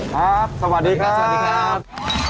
ครับสวัสดีครับ